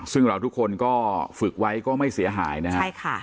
ซึ่งเราทุกคนก็ฝึกไว้ก็ไม่เสียหายนะครับ